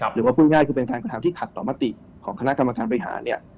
พูดง่ายคือเป็นการกระทำที่ขัดต่อมติของคณะกรรมการบริหาร